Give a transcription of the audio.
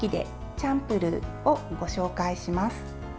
チャンプルーをご紹介します。